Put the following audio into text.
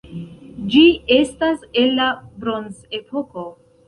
Ĝi estas el la bronzepoko.